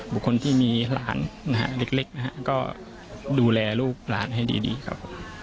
คนที่มีหลานนะฮะเล็กนะฮะก็ดูแลลูกหลานให้ดีครับ